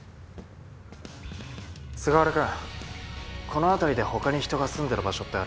菅原君この辺りでほかに人が住んでる場所ってある？